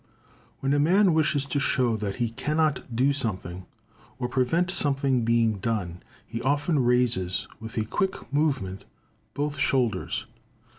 —When a man wishes to show that he cannot do something, or prevent something being done, he often raises with a quick movement both shoulders.